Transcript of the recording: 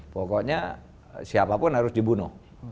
pokoknya siapapun harus dibunuh